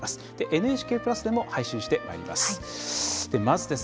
ＮＨＫプラスでも配信してまいります。